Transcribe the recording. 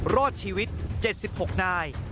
รอดชีวิต๗๖นาย